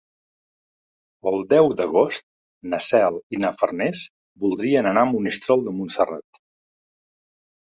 El deu d'agost na Cel i na Farners voldrien anar a Monistrol de Montserrat.